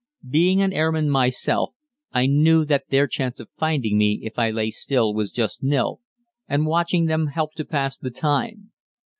Being an airman myself, I knew that their chance of finding me if I lay still was just nil, and watching them helped to pass the time.